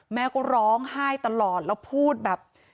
แม่ก็ร้องไห้ตลอดแล้วพูดแบบ